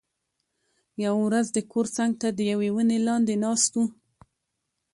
یوه ورځ د کور څنګ ته د یوې ونې لاندې ناست و،